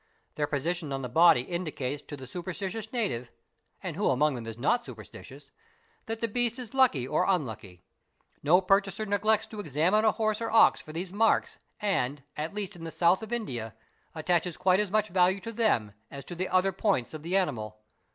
Their position on the " body indicates to the superstitious native, and who among them is not superstitious? that the beast is lucky or unlucky. No purchaser neglects ~ to examine a horse or ox for these marks and, at least in the South of India, attaches quite as much value to them as to the other points of the animal.